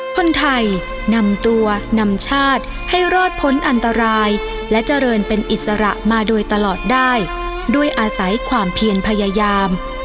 คนไทยนำตัวนำชาติให้รอดพ้นอันตรายและเจริญเป็นอิสระมาโดยตลอดได้ด้วยอาศัยความเพียรพยายาม